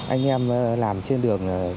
anh em làm trên đường